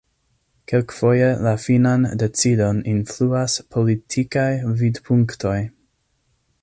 Kelkfoje la finan decidon influas politikaj vidpunktoj.